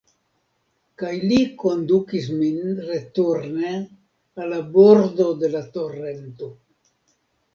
Kaj li kondukis min returne al la bordo de la torento.